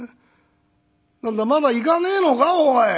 何だまだ行かねえのかおい。